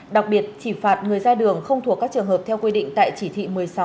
đặc biệt chỉ phạt người ra đường không thuộc các trường hợp theo quy định tại chỉ thị một mươi sáu